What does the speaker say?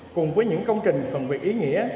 cùng với những công trình phần việc ý nghĩa